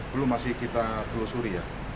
belum masih kita telusuri ya